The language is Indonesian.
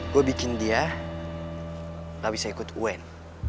gue bikin dia gak bisa ikut un